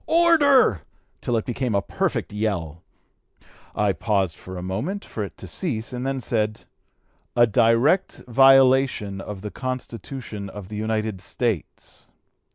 order!' till it became a perfect yell. I paused a moment for it to cease and then said, 'a direct violation of the Constitution of the United States.'